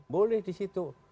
boleh di situ